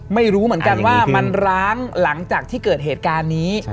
ไม่รู้เหมือนกันว่ามันร้างหลังจากที่เกิดเหตุการณ์นี้